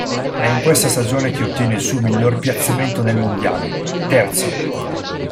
È in questa stagione che ottiene il suo miglior piazzamento nel mondiale: terzo.